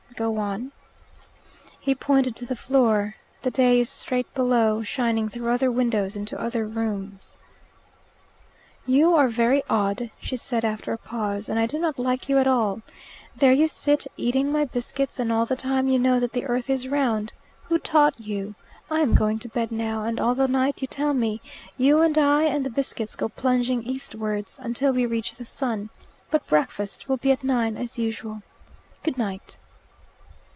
"Go on." He pointed to the floor. "The day is straight below, shining through other windows into other rooms." "You are very odd," she said after a pause, "and I do not like you at all. There you sit, eating my biscuits, and all the time you know that the earth is round. Who taught you? I am going to bed now, and all the night, you tell me, you and I and the biscuits go plunging eastwards, until we reach the sun. But breakfast will be at nine as usual. Good night."